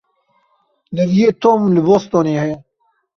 Neviyê Tom li Bostonê heye.